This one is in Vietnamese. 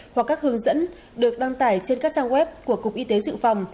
hoặc các hướng dẫn được đăng tải trên các trang web của cục y tế dự phòng